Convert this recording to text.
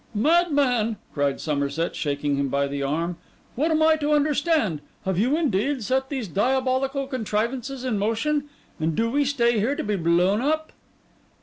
'Madman!' cried Somerset, shaking him by the arm. 'What am I to understand? Have you, indeed, set these diabolical contrivances in motion? and do we stay here to be blown up?